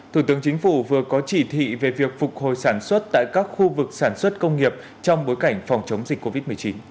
thủ tướng chính phủ vừa có chỉ thị về việc phục hồi sản xuất tại các khu vực sản xuất công nghiệp trong bối cảnh phòng chống dịch covid một mươi chín